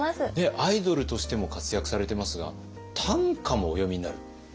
アイドルとしても活躍されてますが短歌もお詠みになる？